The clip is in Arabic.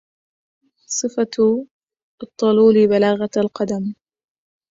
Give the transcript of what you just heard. صفة الطلول بلاغة القدم